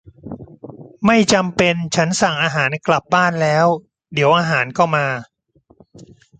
ไม่จำเป็น ฉันสั่งอาหารกลับบ้านแล้ว เดี๋ยวอาหารก็มา